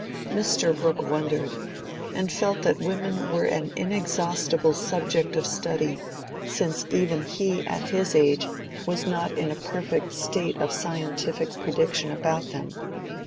Mr. Brooke wondered, and felt that women were an inexhaustible subject of study, since even he at his age was not in a perfect state of scientific prediction about them.